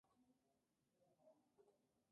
Los trabajos fueron hechos por la Alcaldía de Caroní.